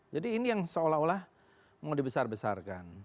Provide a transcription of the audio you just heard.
jadi ini yang seolah olah mau dibesar besarkan